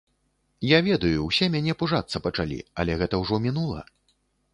Я ведаю, усе мяне пужацца пачалі, але гэта ўжо мінула.